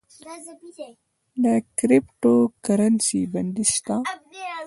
د کریپټو کرنسی بندیز شته؟